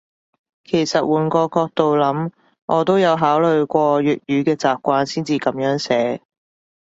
其實換個角度諗，我都有考慮過粵語嘅習慣先至噉樣寫